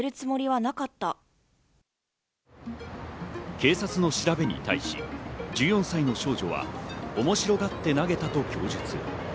警察の調べに対し、１４歳の少女は面白がって投げたと供述。